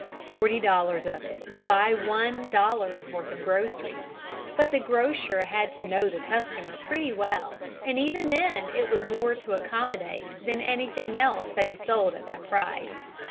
Forty dollars of it would buy one dollar's worth of groceries; but the grocer had to know the customer pretty well, and even then it was more to accommodate than anything else that he sold at that price.